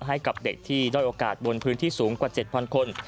ให้กับเด็กที่ด้อยโอกาสบนพื้นที่สูงกว่า๗๐๐คน